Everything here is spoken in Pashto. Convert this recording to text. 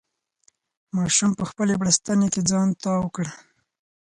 ماشوم په خپلې بړستنې کې ځان تاو کړ.